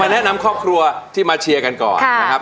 แนะนำครอบครัวที่มาเชียร์กันก่อนนะครับ